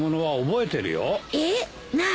えっ何？